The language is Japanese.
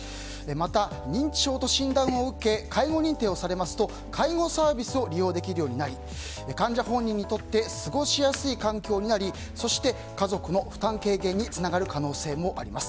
また、認知症と診断を受け介護認定をされますと介護サービスを利用できるようになり患者本人にとって過ごしやすい環境になり家族の負担軽減につながる可能性もあります。